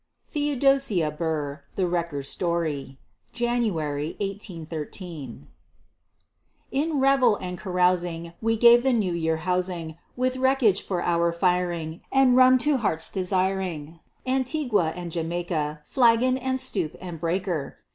THEODOSIA BURR: THE WRECKER'S STORY [January, 1813] In revel and carousing We gave the New Year housing, With wreckage for our firing, And rum to heart's desiring, Antigua and Jamaica, Flagon and stoup and breaker.